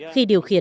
khi điều khiển